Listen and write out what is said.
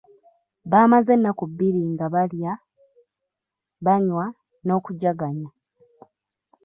Baamaze ennaku bbiri nga balya, banywa n’okujjaganya.